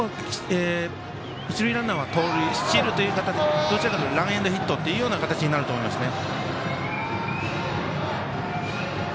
一塁ランナーは、盗塁スチールというかどちらかというとランエンドヒットという形になると思いますね。